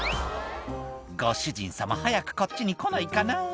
「ご主人様早くこっちに来ないかな」